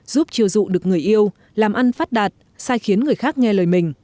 giúp chiều dụ được người yêu làm ăn phát đạt sai khiến người khác nghe lời mình